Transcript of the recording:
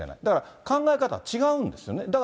だから、考え方が違うんですよね。